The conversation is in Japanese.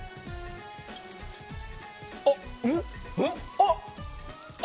あっ！